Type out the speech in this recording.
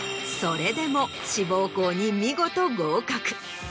それでも志望校に見事合格。